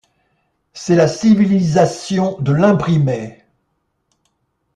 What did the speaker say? C’est la civilisation de l'imprimé.